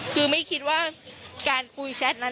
คือไม่คิดว่าการคุยแชทนั้น